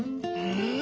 うん！